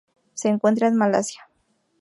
Se encuentran en Malasia.